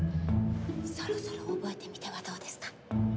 そろそろ覚えてみてはどうですか？